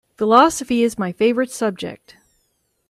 Philosophy is my favorite subject.